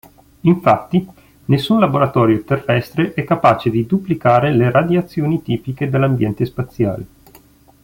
Infatti nessun laboratorio terrestre è capace di duplicare le radiazioni tipiche dell'ambiente spaziale.